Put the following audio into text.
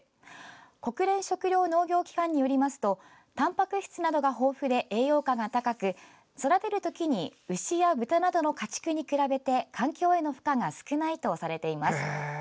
国連食糧農業機関によりますとたんぱく質などが豊富で栄養価が高く、育てる時に牛や豚などの家畜に比べて環境への負荷が少ないとされています。